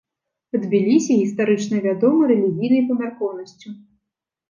Тбілісі гістарычна вядомы рэлігійнай памяркоўнасцю.